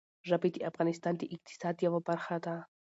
ژبې د افغانستان د اقتصاد یوه برخه ده.